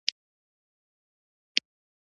حیوانات د ځینو ناروغیو انتقال کوي.